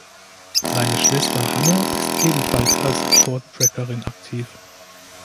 Seine Schwester Hanne ist ebenfalls als Shorttrackerin aktiv.